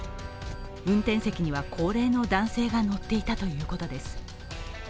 運転席には高齢の男性が乗っていたということです。